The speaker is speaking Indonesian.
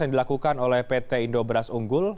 yang dilakukan oleh pt indo beras unggul